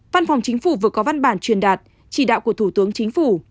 văn phòng chính phủ vừa có văn bản truyền đạt chỉ đạo của thủ tướng chính phủ